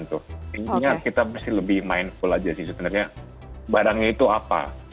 intinya kita mesti lebih mindful aja sih sebenarnya barangnya itu apa